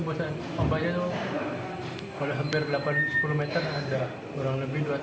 buatan om banyak kalau hampir delapan puluh meter ada kurang lebih dua tahun biasanya yang apa yang ada itu aja